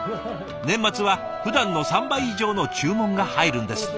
年末はふだんの３倍以上の注文が入るんですって。